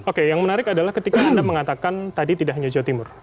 oke yang menarik adalah ketika anda mengatakan tadi tidak hanya jawa timur